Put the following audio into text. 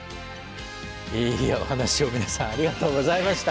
いいお話を皆さんありがとうございました。